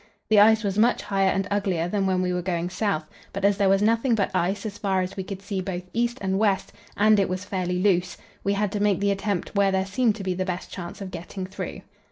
The ice was much higher and uglier than when we were going south, but as there was nothing but ice as far as we could see both east and west, and it was fairly loose, we had to make the attempt where there seemed to be the best chance of getting through.